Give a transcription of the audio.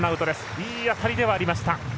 いい当たりではありました。